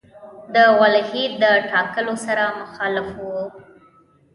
د ولیعهد د ټاکلو سره مخالف وو.